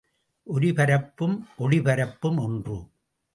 ஒலிபரப்பும் ஒளிபரப்பும் ஒன்று.